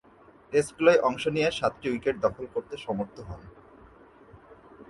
টেস্টগুলোয় অংশ নিয়ে সাতটি উইকেট দখল করতে সমর্থ হন।